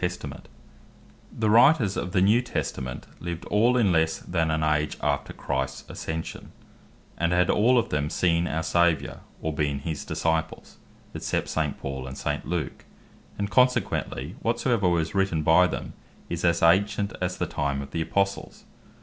The New Testament The Writers of the New Testament lived all in lesse then an age after Christs Ascension, and had all of them seen our Saviour, or been his Disciples, except St. Paul, and St. Luke; and consequently whatsoever was written by them, is as ancient as the time of the Apostles.